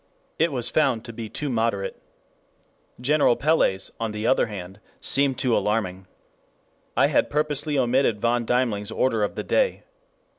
It was found to be too moderate. General Pellé's, on the other hand, seemed too alarming. I had purposely omitted von Deimling's order of the day.